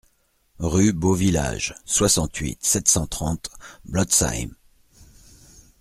Rue Beau Village, soixante-huit, sept cent trente Blotzheim